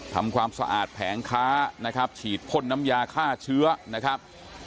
ทำความสะอาดแผงค้านะครับฉีดพ่นน้ำยาฆ่าเชื้อนะครับ